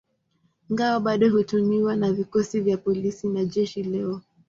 Ngao bado hutumiwa na vikosi vya polisi na jeshi leo.